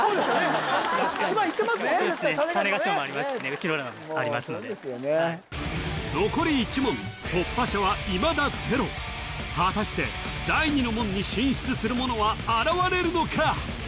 絶対種子島ね種子島もありますしね内之浦もありますので残り１問突破者はいまだゼロ果たして第二の門に進出する者は現れるのか？